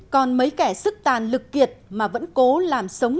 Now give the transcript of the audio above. còn mấy kẻ sức tàn lực kiệt mà vẫn cố làm sống